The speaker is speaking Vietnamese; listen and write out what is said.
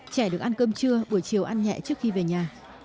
trẻ được ăn cơm trưa buổi chiều ăn nhẹ trước khi về nhà